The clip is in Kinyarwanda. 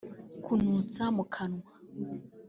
kunutsa Mukanwa